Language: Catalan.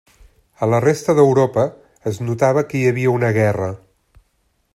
A la resta d'Europa es notava que hi havia una guerra.